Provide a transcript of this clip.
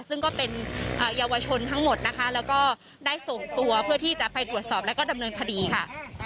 ซึ่งก็เป็นเยาวชนทั้งหมดนะคะแล้วก็ได้ส่งตัวเพื่อที่จะไปตรวจสอบแล้วก็ดำเนินคดีค่ะ